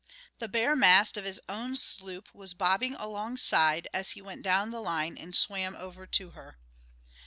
The bare mast of his own sloop was bobbing alongside as he went down the line and swam over to her.